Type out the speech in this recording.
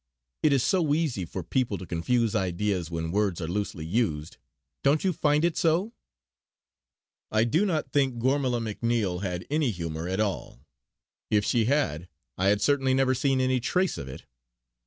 It is so easy for people to confuse ideas when words are loosely used. Don't you find it so?" I do not think Gormala MacNiel had any humour at all; if she had, I had certainly never seen any trace of it.